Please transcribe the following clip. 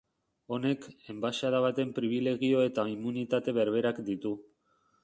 Honek, enbaxada baten pribilegio eta immunitate berberak ditu.